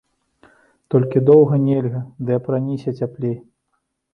Толькі доўга нельга, ды апраніся цяплей.